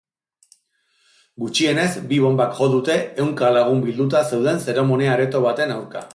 Gutxienez bi bonbak jo dute ehunka lagun bilduta zeuden zeremonia areto baten aurka.